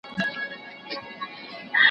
په دا منځ كي باندي تېر سول لس كلونه